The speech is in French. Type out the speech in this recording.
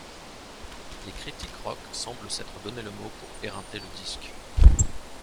Les critiques rock semblent s'être donné le mot pour éreinter le disque.